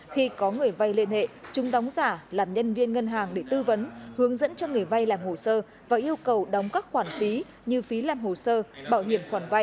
khi có người vay liên hệ chúng đóng giả làm nhân viên ngân hàng để tư vấn hướng dẫn cho người vay làm hồ sơ và yêu cầu đóng các khoản phí như phí làm hồ sơ bảo hiểm khoản vay